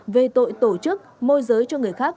về tội tổ chức môi giới cho người khác